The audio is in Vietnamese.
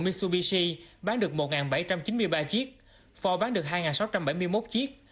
misubishi bán được một bảy trăm chín mươi ba chiếc phò bán được hai sáu trăm bảy mươi một chiếc